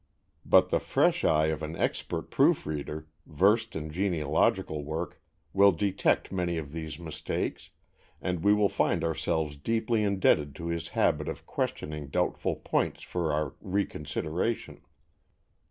But the fresh eye of an expert proof reader, versed in genealogical work, will detect many of these mistakes, and we will find ourselves deeply indebted to his habit of questioning doubtful points for our reconsideration.